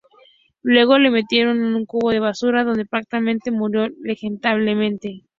Luego la metieron en un cubo de basura, donde probablemente murió lentamente.